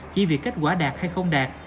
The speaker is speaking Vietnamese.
chỉ vì kết quả đạt hay không đạt